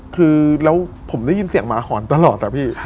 คือแล้วผมได้ยินเสียงหมาหอนตลอดอะพี่